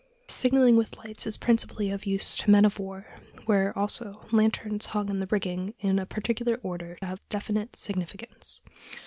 ] Signaling with lights is principally of use to men of war, where, also, lanterns hung in the rigging in a particular order have a definite significance.